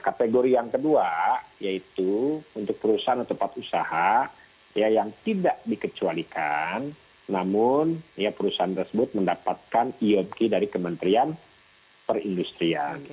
kategori yang kedua yaitu untuk perusahaan atau tempat usaha yang tidak dikecualikan namun perusahaan tersebut mendapatkan iopg dari kementerian perindustrian